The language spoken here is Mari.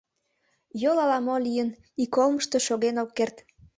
Йол ала-мо лийын, ик олмышто шоген ок керт.